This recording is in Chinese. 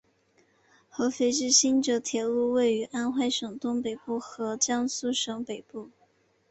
合肥至新沂铁路位于安徽省东北部和江苏省北部。